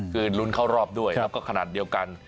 คือลุ้นเข้ารอบด้วยแล้วก็ขนาดเดียวกัน